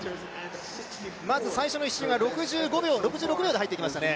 まず最初の１周は６６秒で入ってきましたね。